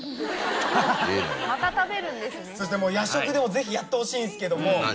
そして夜食でもぜひやってほしいんすけども。